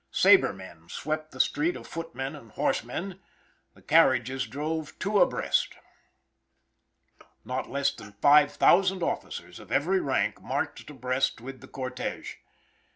Sabermen swept the street of footmen and horsemen. The carriages drove two abreast. Not less than five thousand officers, of every rank, marched abreast with the cortege.